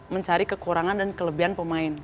mencari kekurangan dan kelebihan pemain